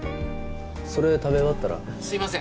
それ食べ終わったらすいません